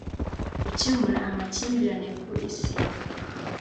gukemura amakimbirane ku isi